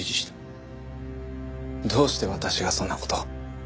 どうして私がそんな事を？